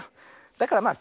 だからまあ